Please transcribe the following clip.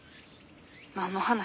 何の話？